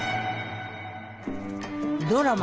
ドラマ